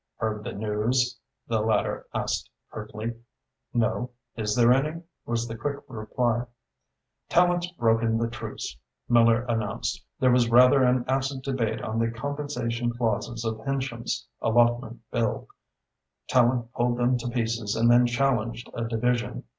"Heard the news?" the latter asked curtly. "No. Is there any?" was the quick reply. "Tallente's broken the truce," Miller announced. "There was rather an acid debate on the Compensation Clauses of Hensham's Allotment Bill. Tallente pulled them to pieces and then challenged a division.